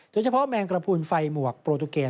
โดยเฉพาะแมงกระพุนไฟหมวกโปรตุเกต